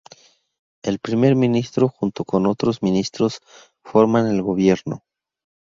El Primer Ministro, junto con otros ministros, forman el Gobierno.